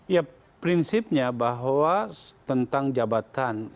ya prinsipnya bahwa tentang jabatan